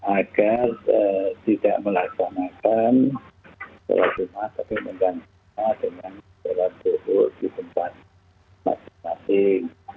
agar tidak melaksanakan jualan jumlah tapi menggantikan dengan jualan jumlah di tempat masing masing